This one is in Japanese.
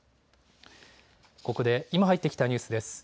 ここで今入ってきたニュースです。